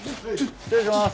失礼します。